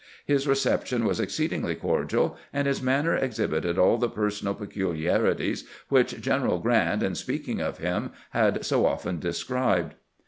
His recep tion was exceedingly cordial, and his manner exhibited all the personal peculiarities which General Grant, in speaking of him, had so often described.